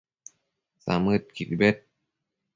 samëdquid bed